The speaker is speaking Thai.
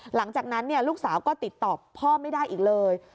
หลังจากนั้นลูกสาวก็ติดต่อพ่อไม่ได้อีกเลย